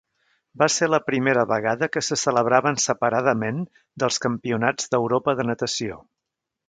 Va ser la primera vegada que se celebraven separadament dels Campionats d'Europa de natació.